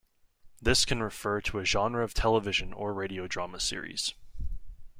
This can refer to a genre of television or radio drama series.